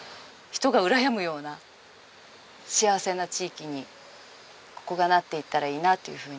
人がうらやむような幸せな地域にここがなっていったらいいなっていうふうに思いますね